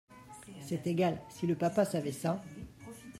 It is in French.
C’est égal, si le papa savait ça !…